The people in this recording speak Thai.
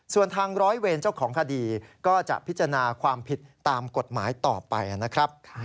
ส่วนทางร้อยเวรเจ้าของคดีก็จะพิจารณาความผิดตามกฎหมายต่อไปนะครับ